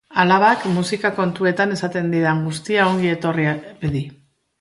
Alabak musika kontuetan esaten didan guztia ongi etorria bedi!